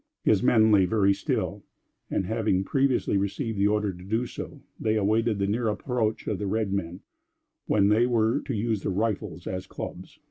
His men lay very still; and, having previously received the order so to do, they awaited the near approach of the red men, when they were to use their rifles as clubs.